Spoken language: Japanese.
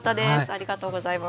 ありがとうございます。